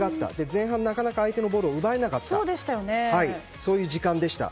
前半なかなか相手のボールを奪えなかったそういう時間でした。